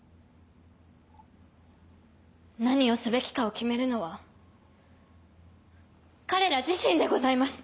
何をすべきかを決めるのは彼ら自身でございます。